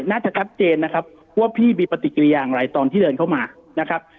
น่าจะชัดเจนนะครับว่าพี่มีปฏิกิริอย่างไรตอนที่เดินเข้ามานะครับ